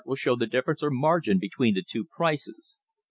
will show the difference or margin between the two prices.